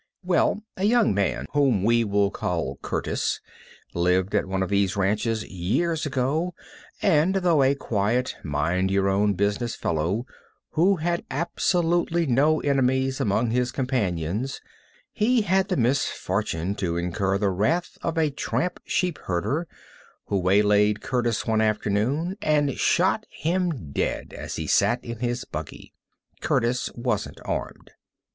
Well, a young man whom we will call Curtis lived at one of these ranches years ago, and, though a quiet, mind your own business fellow, who had absolutely no enemies among his companions, he had the misfortune to incur the wrath of a tramp sheep herder, who waylaid Curtis one afternoon and shot him dead as he sat in his buggy. Curtis wasn't armed.